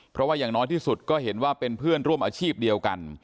เพราะว่าอย่างน้อยที่สุดก็เห็นว่าเป็นเพื่อนร่วมอาชีพเดียวกัน